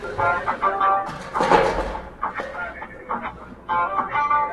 بس که نیکه دا د جنګونو کیسې-!